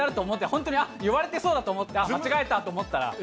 本当に言われてそうだと思って、あ、間違えたと思ったら。